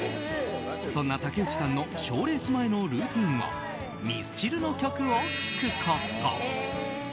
そんな竹内さんの賞レース前のルーチンはミスチルの曲を聴くこと。